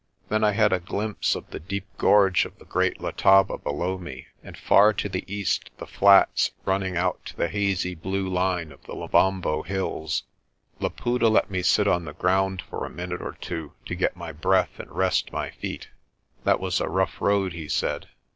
Then I had a glimpse of the deep gorge of the Great Letaba below me, and far to the east the flats running out to the hazy blue line of the Lebombo hills. Laputa let me sit on the ground for a minute or two to get my breath and rest my feet. "That was a rough road," he said.